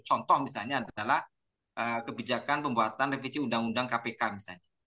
contoh misalnya adalah kebijakan pembuatan revisi undang undang kpk misalnya